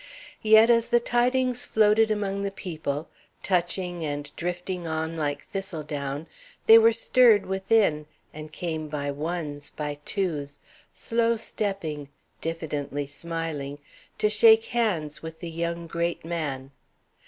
Yet as the tidings floated among the people, touching and drifting on like thistle down, they were stirred within, and came by ones, by twos, slow stepping, diffidently smiling, to shake hands with the young great man.